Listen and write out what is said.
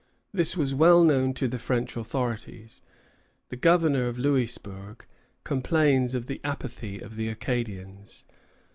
This was well known to the French authorities. The governor of Louisbourg complains of the apathy of the Acadians.